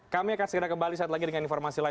kami akan segera kembali saat lagi dengan informasi lain